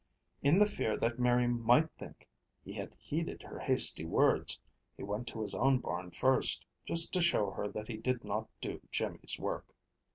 In the fear that Mary might think he had heeded her hasty words, he went to his own barn first, just to show her that he did not do Jimmy's work.